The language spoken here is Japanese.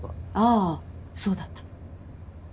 あそうだった。